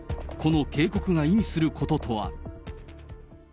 この警告が意味することとは。